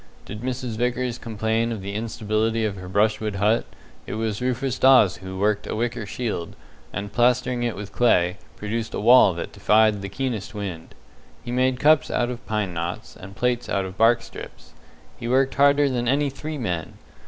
Did Mrs. Vickers complain of the instability of her brushwood hut, it was Rufus Dawes who worked a wicker shield, and plastering it with clay, produced a wall that defied the keenest wind. He made cups out of pine knots, and plates out of bark strips. He worked harder than any three men.